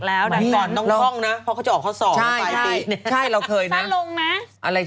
แล้วก็อย่างน้อย